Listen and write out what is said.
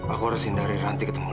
aku harus hindari ranti ketemu lia